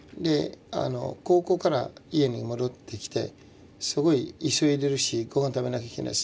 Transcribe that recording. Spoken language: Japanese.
高校から家に戻ってきてすごい急いでるしご飯食べなきゃいけないし。